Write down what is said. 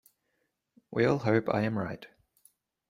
We all hope I am right.